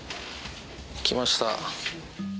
来ました。